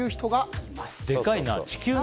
でかいな！